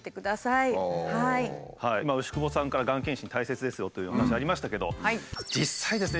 今牛窪さんからがん検診大切ですよというお話ありましたけど実際ですね